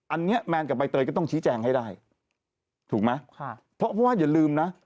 อันนี้แมนกับใบเตยก็ต้องชี้แจงให้ได้ถูกไหมค่ะเพราะว่าอย่าลืมนะ